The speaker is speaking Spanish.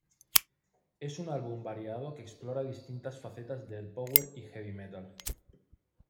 Es un álbum variado que explora distintas facetas del Power y Heavy Metal.